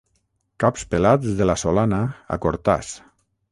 Caps pelats de la solana a Cortàs.